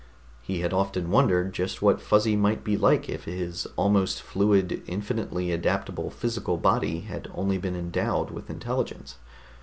He had often wondered just what Fuzzy might be like if his almost fluid, infinitely adaptable physical body had only been endowed with intelligence.